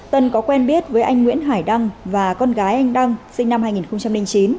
tân có quen biết với anh nguyễn hải đăng và con gái anh đăng sinh năm hai nghìn chín